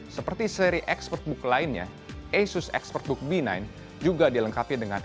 seperti seri expertbook lainnya asus expertbook b sembilan juga dilengkapi dengan